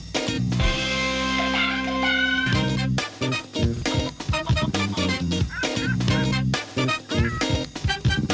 แล้วก็เจอกันที่เอ็มพอเรียมนะไปกัน